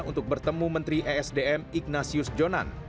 untuk bertemu menteri esdm ignatius jonan